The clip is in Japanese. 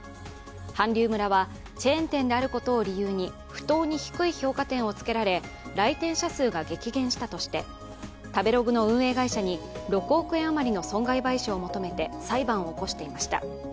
韓流村は、チェーン店であることを理由に不当に低い評価点をつけられ、来店者数が激減したとして食べログの運営会社に６億円余りの損害賠償を求めて裁判を起こしていました。